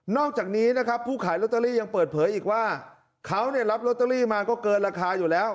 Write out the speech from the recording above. อกจากนี้นะครับผู้ขายลอตเตอรี่ยังเปิดเผยอีกว่าเขารับลอตเตอรี่มาก็เกินราคาอยู่แล้ว